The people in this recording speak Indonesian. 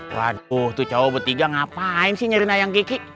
waduh tuh cowok bertiga ngapain sih nyari nayang kiki